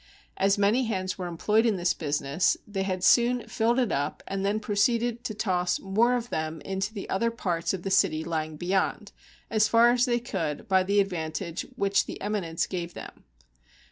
As many hands were employed in this business, they had soon filled it up, and then proceeded to toss more of them into the other parts of the city lying beyond, as far as they could by the advantage which the eminence gave them.